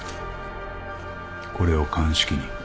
これを鑑識に。